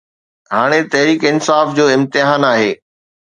هاڻي تحريڪ انصاف جو امتحان آهي